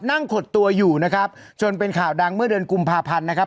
ขดตัวอยู่นะครับจนเป็นข่าวดังเมื่อเดือนกุมภาพันธ์นะครับ